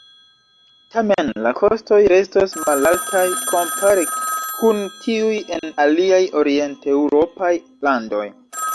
Tamen la kostoj restos malaltaj kompare kun tiuj en aliaj orienteŭropaj landoj.